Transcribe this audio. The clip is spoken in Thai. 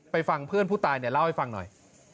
ฟังเพื่อนผู้ตายเนี่ยเล่าให้ฟังหน่อย